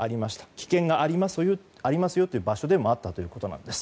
危険がありますよという場所でもあったということです。